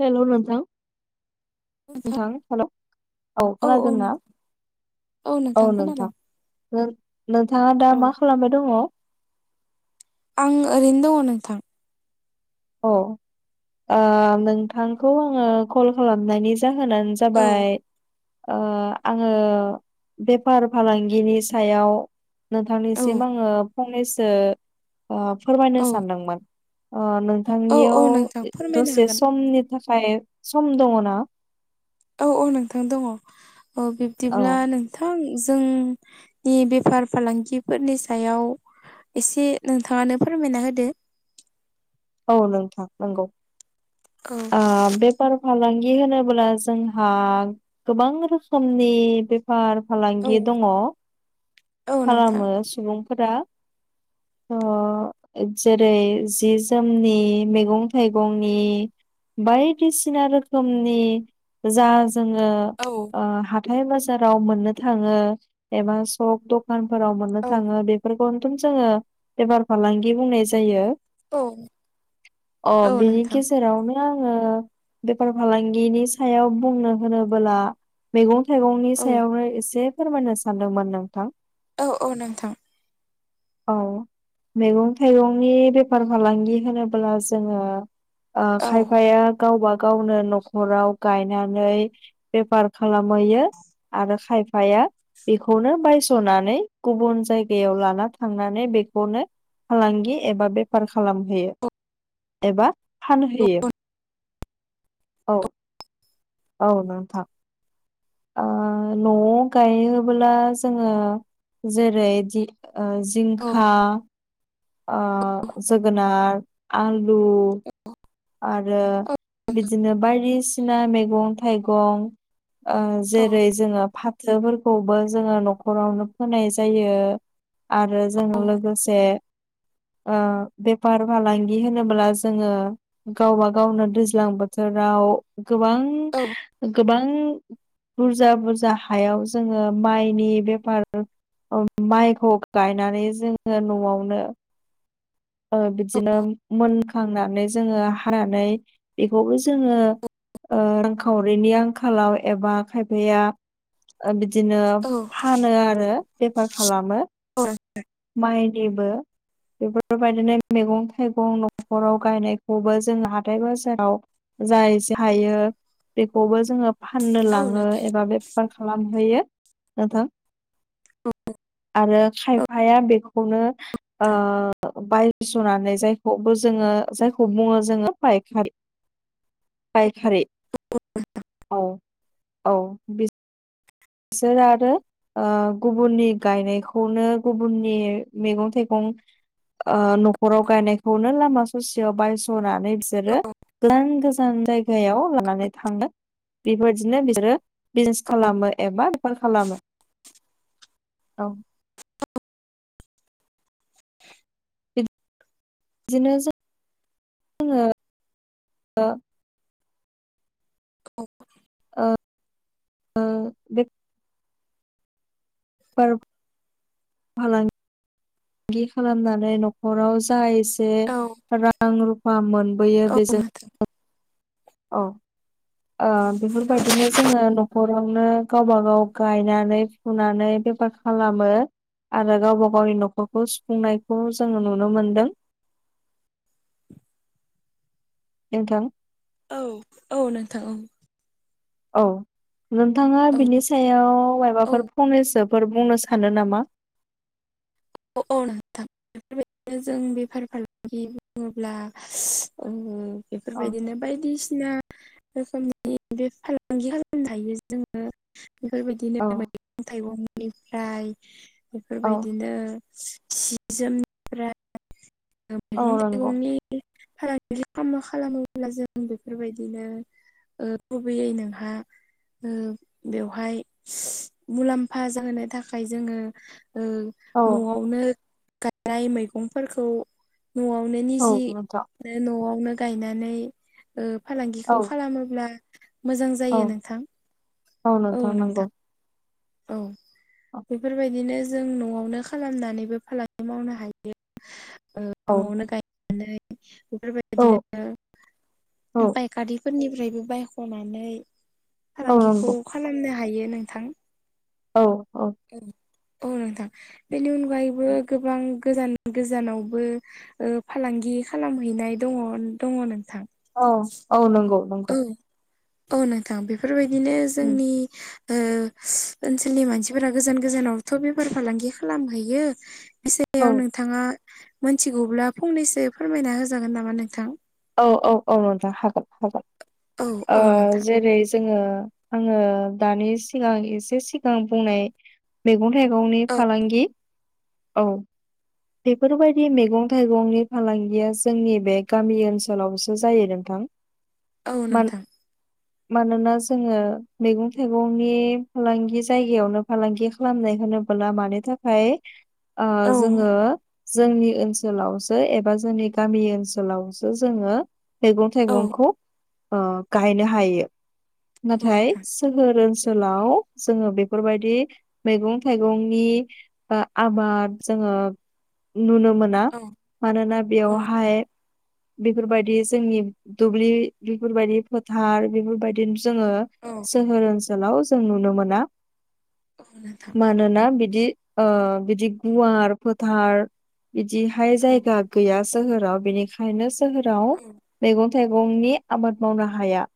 हेल' नोंथां नोंथां नोंथां हेल' औ खोनादोंना? औ नोंथां खोनादों। नों-नोंथाङा दा औ मा खालामबाय दङ'? आं ओरैनो दङ' नोंथां। औ ओ नोंथांखौ आङो कल खालामनायनि जाहोनानो औ जाबाय ओ आङो बेफार-फालांगिनि सायाव औ नोंथांनिसिम आङो फंनैसो ओ फोरमायनो औ सानदोंमोन ओ औ नोंथांनियाव औ नोंथां फोरमायनो दसे सम हागोन समनि थाखाय सम दङ' ना? औ औ नोंथां दङ' अ औ बिब्दिब्ला नों थां जोंनि बेफार-फालांगिफोरनि सायाव एसे नोंथाङानो फोरमायना होदो। औ नोंथां नंगौ औ ओ बे बेफार- फालांगि होनोब्ला जोंहा गोबां रोखोमनि बे औ फार-फालांगि दङ' औ नोंथां खालामो सुबुंफोरा ओ जेरै जे जोमनि, मैगं-थाइगंनि बायदिसिना रोखोमनि जा जोङो औ। ओ हाथाइ-बाजाराव मोननो थाङो। एबा सक दखानफोराव मोननो औ थाङो बेफोरखौनोथ' जोङो बेफार-फालांगि बुंनाय जायो। औ अ औ बेनि नोंथां गेजेरावनो दा आङो बेफार-फालांगिनि सायाव बुंनो होनोबोला मैगं-थाइगंनि औ सायावनो एसे फोरमायनो सानदोंमोन नोंथां। औ औ नोंथां। औ मैगं- थाइगंनि बेफार -फालांगि होनोब्ला जोङो ओ औ खायफाया गावबा गावनो न'खराव गायनानै बेफार खालामहैयो आरो खायफाया बेखौनो बायस'नानै गुबुन जायगायाव लाना थांनानै बेखौनो फालांगि एबा बेफार खालामहैयो। एबा औ फानहैयो। औ औ नोंथां। ओ न'आव गायोब्ला जोङो जेरैदि ओ औ जिंखा ओ जोगोनार आलु आरो बिदिनो बायदिसिना मैगं थाइगं ओ औ जेरै जोङो फोरखौबो जोङो नखरावनो फोनाय जायो। आरो जों लोगोसे बेफार फालांगि बिदि होनोब्ला जोङो गावबा गावनो दैज्लां बोथोराव गोबां औ गोबां बुरजा बुरजा हायाव जोङो माइनि बेफार माइखौ गायनानै जोङो न'आवनो बिदिनो मोनखांनानै जोङो हानानै बेखौबो जोङो रां खावरिनि आंखालाव एबा खायफाया बिदिनो औ फानो आरो बेफार खालामो औ माइनिबो बेफोरबायदिनो मैगं थाइगं नखराव गायनायखौबो जों हाथाय बाजाराव जाय हायो बेखौबो जोङो फाननो औ लाङो नोंथां एबा बे मा खालामहोयो नोंथां आरो औ खायफाया बेखौनो नोंथां बायस'नानै जायखौबो जोङो जायखौ बुङो जोङो फाइखारि फाइखारि औ औ सो आरो गुबुननि गायनायखौनो गुबुननि मैगं थाइगं नखराव गायनायखौनो लामा ससेयाव बायस'नानै बिसोरो गोजान गोजान गोजान जायगायाव लानानै थाङो बेबायदिनो बिसोरो बिजनेस खालामो एबा बेफार खालामो औ बिदिनो जों [inaudible] बेफार फालांगि खालामनानै नखराव जाय औ औ जा रां रुफा मोनबोयो औ बेजों नोंथां औ औ बेफोरबायदिनो जोङो नखरावनो गावबा गाव गायनानै फुनानै बेफार खालामो आरो गावबा गावनि नखरखौ सुफुंनायखौ जोङो नुनो मोनदों नोंथां औ औ नोंथां औ औ नोंथाङा औ बिनि सायाव औ माबाफोर फंनैसोफोर बुंनो सानो नामा अ अ नोंथां बेबायदिनो जों बेफार फालांगि बुङोब्ला औ बेफोरबायदिनो बायदिसिना रोखोमनि बे फालांगि खालामनो हायो जोङो औ बेफोरबायदिनो मैगं थाइगंनिफ्राय औ बेफोरबायदिनो सि जोमनिफ्राय औ मैगं नंगौ थाइगंनि फालांगि खालामा खालामोब्ला जों बेफोरबायदिनो गुबैयै नोंहा बेवहाय मुलाम्फा जाहोनो थाखाय जोङो औ न'आवनो गायनाय मैगंफोरखौ न'आवनो औ निजे नोंथां न'आवनो गायनानै औ फालांगिखौ खालामोब्ला मोजां औ जायो नोंथां औ नोंथां औ औ बेफोरबायदिनो जों न'आवनो खालामनानैबो फालांगि मावनो हायो औ न'आवनो गाय बिदिनो औ फायखारिफोरनिफ्रायबो बायख'नानै औ फालांगिखौ नंगौ खालामनो हायो नोंथां औ औ औ औ नोंथां बेनि अनगायैबो गोबां गोजान गोजानावबो फालांगि खालामहैनाय दङ दङ नोंथां औ औ नंगौ नंगौ औ औ नोंथां बेफोरबायदिनो जोंनि ओ [inaudible] ओनसोलनि मानसिफोरा गोजान गोजानावथ' बेफार फालांगि खालामहैयो बि औ सायाव नोंथाङा मोनथिगौब्ला फंनैसो फोरमायना होजागोन नामा नोंथां औ औ औ नोंथां हागोन हागोन औ ओ औ नोंथां जेरै जोङो आङो दानि सिगां एसे सिगां बुंनाय मैगं थाइगंनि औ फालांगि औ बेफोरबायदि मैगं थाइगंनि फालांगिया जोंनि बे गामि ओनसोल लावसो जायो नोंथां औ मान नोंथां मानोना जोङो मैगं थाइगंनि फालांगि जायगायावनो फालांगि खालामनाय होनबोला मानि थाखाय ओ औ जोङो जोंनि ओनसोलावसो एबा जोंनि गामि ओनसोलावसो जोङो मैगं औ थाइगंखौ ओ गायनो हायो औ नाथाय नोंथां सोहोर ओनसोलाव जोङो बेफोरबायदि मैगं थाइगंनि आबाद जोङो नुनो मोना औ मानोना औ बेवहाय नोंथां बेफोरबायदि जोंनि दुब्लि बेफोरबायदि फोथार बेफोरबाय दि जोङो औ सोहोर ओनसोलाव जों नुनो मोना औ नोंथां मानोना बिदि ओ बिदि गुवार फोथार बिदिहाय औ जायगा गैया सोहोराव बेनिखायनो सोहोराव औ मैगं थाइगंनि आबाद मावनो हाया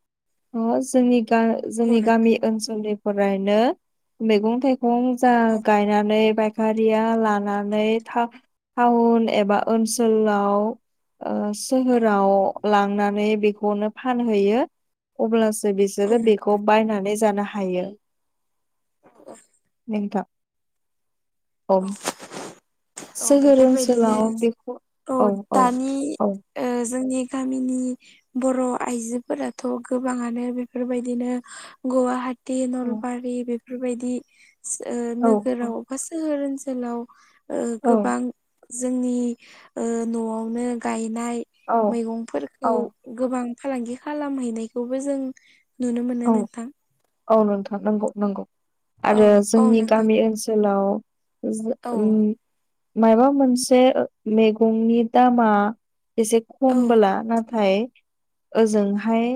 जों औ जोंनि नोंथां गामि ओनसोलनिफ्रायनो मैगं थाइगं जा औ गायनानै बा गारिया लानानै टाउन एबा ओनसोलाव ओ सोहोराव लांनानै बेखौनो फानहैयो अब्लासो औ बिसोरो नोंथां बेखौ बायनानै जानो हायो औ नोंथां औ औ सोहोर बेफोरबायदिनो ओनसोलाव बेखौ औ औ औ ओ जोंनि गामिनि बर' आइजोफोराथ' गोबाङानो बेफोरबायदिनो गुवा हाटि नलबारि बेफोरबायदि औ नोगोराव बा सोहोर ओनसोलाव औ गोबां जोंनि ओ न'आवनो गायनाय औ मैगंफोरखौ औ गोबां फालांगि खालामहैनायखौबो जों नुनो मोनो औ नोंथां औ नोंथां नांगौ नांगौ औ आरो औ जोंनि नोंथां गामि ओनसोलाव जे औ उम माबा मोनसे मैगंनि दामा एसे औ हमबोला नाथाय ओजोंहाय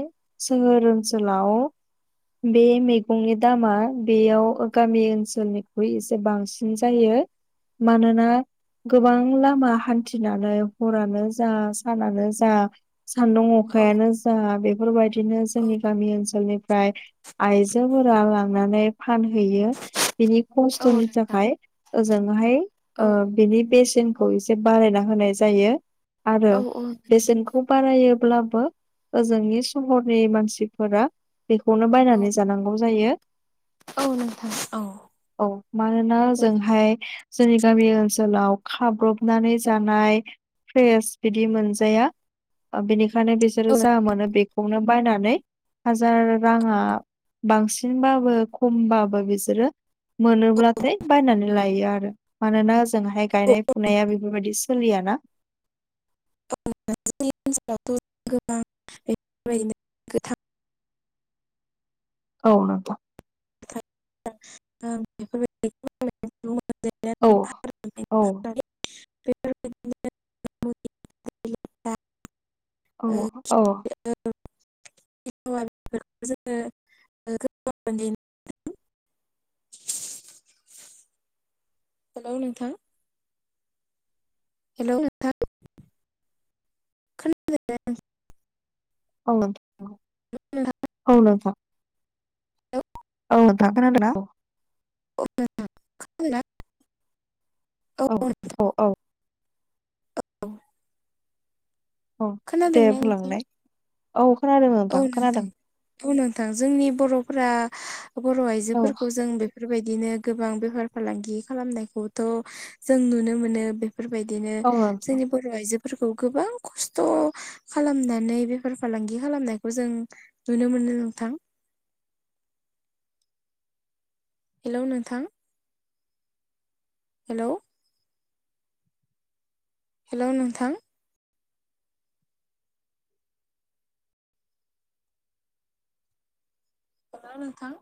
सोहोर ओनसोलाव बे मैगंनि दामा बेयाव गामि ओनसोलनिख्रुइ एसे बांसिन जायो मानोना गोबां लामा हान्थिनानै हरानो जा सानानो जा सानदुं अ औ अखायानो जा बेफोरबायदिनो औ जोंनि गामि ओनसोलनिफ्राय आइजोफोरा लांनानै फानहैयो बिनि औ खस्थ'नि नोंथां थाखाय ओजोंहाय औ ओ बिनि बेसेनखौ एसे बानायायना होनाय जायो आरो औ औ बेसेनखौ बारायोब्लाबो ओजोंनि सहरनि मानसि फोर बेखौनो औ बायनानै जानांगौ जायो औ नोंथां औ औ मानोना औ जोंहाय जोंनि गामि ओनसोलाव खाब्रबनानै जानाय फ्रेस बिदि मोनजाया बेनिखायनो बिसोरो जा मोनो बेखौनो बायनानै। हाजार राङा बांसिनबाबो खमबाबो बिसोरो मोनोब्लाथाय बायनानै लायो आरो। मानोना जोंहाय नोंगौ गायनाय फुनाया बेफोरबायदि सोलियाना। [unintelligible] औ नंगौ [unintelligible] औ औ बे [unintelligible] औ औ ओ [unintelligible] [unintelligible] फोरखौ जोङो [unintelligible] हेलौ नोंथां हेल' नोंथां औ खोनादोंना नोथां नोंथां औ नोंथां खोनादों ना? [unintelligible] औ [unintelligible] औ औ अ दे खोनादोंना नोंथां बुंलांनाय औ खोनादों औ नोंथां खोनादों औ नोंथां जोंनि बर'फ बर' औ आइजोफोरखौ जों बे बेफोरबायदिनो गोबां बेफार फालांगि खालामनायखौथ' जों नुनो मोनो बे बेफोरबायदिनो औ नोंथां जोंनि बर' आइजोफोरखौ गोबां खस्थ' खालामनानै बेफार-फालांगि खालामनायखौ जों नुनो मोनो नोंथां। हेलौ नोंथां। हेलौ हेल' नोंथां। हेलौ नोंथां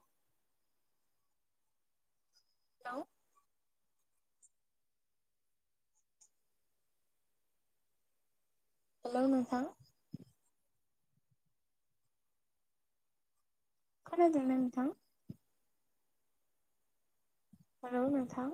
हेलौ हेल' नों सां खोनादों ना नोंथां हेल' नोंथां